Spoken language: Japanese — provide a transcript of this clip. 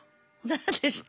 何ですか？